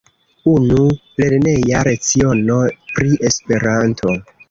Unu lerneja leciono pri Esperanto!